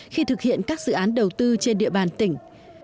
khi thực hiện các dự án đầu tư trên địa bàn tỉnh